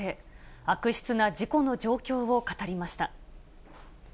悪質な事故の状況を語りました。